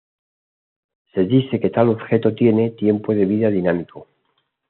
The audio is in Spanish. Se dice que tal objeto tiene "tiempo de vida dinámico".